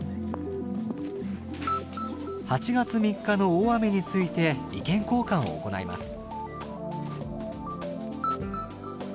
８月３日の大雨について意見交換を行います。